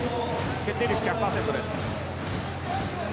決定率１００％です。